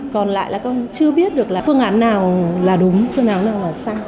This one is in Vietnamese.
còn lại là con chưa biết được là phương án nào là đúng phương án nào là sai